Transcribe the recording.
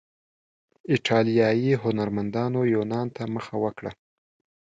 ایټالیایي هنرمندانو یونان ته مخه وکړه.